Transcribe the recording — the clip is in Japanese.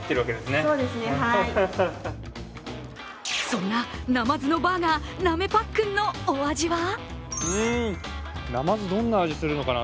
そんななまずのバーガー、なめパックンのお味は？